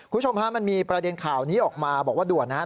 คุณผู้ชมฮะมันมีประเด็นข่าวนี้ออกมาบอกว่าด่วนนะครับ